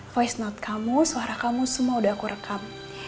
voice note kamu suara kamu semua udah aku rekam